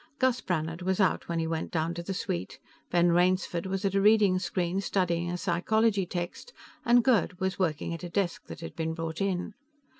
Gus Brannhard was out when he went down to the suite; Ben Rainsford was at a reading screen, studying a psychology text, and Gerd was working at a desk that had been brought in.